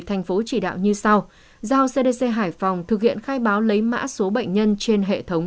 thành phố chỉ đạo như sau giao cdc hải phòng thực hiện khai báo lấy mã số bệnh nhân trên hệ thống